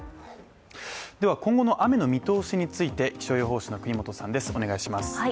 では、今後の雨の見通しについて気象予報士の國本さんです。